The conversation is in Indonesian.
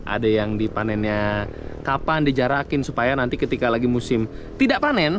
ada yang dipanennya kapan dijarakin supaya nanti ketika lagi musim tidak panen